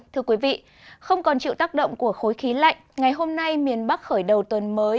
thưa quý vị không còn chịu tác động của khối khí lạnh ngày hôm nay miền bắc khởi đầu tuần mới